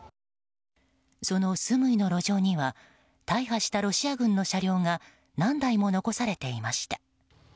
そのスムイの路上には大破したロシア軍の車両が何台も残されていました。